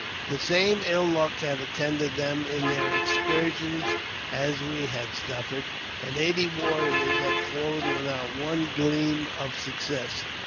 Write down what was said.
The same ill luck had attended them in their ex sursions as we had suffered, and eighty warriors had fallen without one gleam of success.